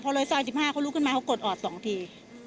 พอเลยซอย๑๕เขาลุกขึ้นมาเขากดออด๒ที